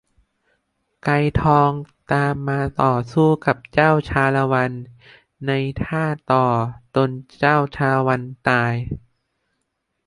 ไกรทองตามมาต่อสู้กับเจ้าชาละวันในถ้าต่อจนเจ้าชาละวันตาย